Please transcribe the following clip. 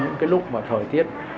những cái lúc mà thời tiết